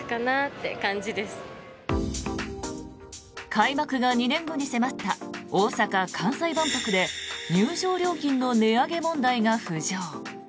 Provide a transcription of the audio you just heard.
開幕が２年後に迫った大阪・関西万博で入場料金の値上げ問題が浮上。